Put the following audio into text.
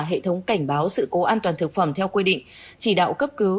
hệ thống cảnh báo sự cố an toàn thực phẩm theo quy định chỉ đạo cấp cứu